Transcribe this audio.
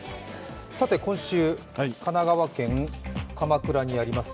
さて今週神奈川県鎌倉にあります